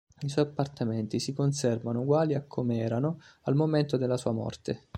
I suoi appartamenti si conservano uguali a come erano al momento della sua morte.